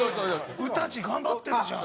うたじ頑張ってるじゃん。